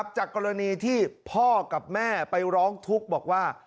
จากกรณีที่พ่อกับแม่ไปร้องทุกข์บอกว่า